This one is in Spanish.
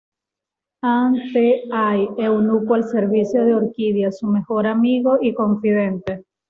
An-te-hai: Eunuco al servicio de Orquídea, su mejor amigo y confidente.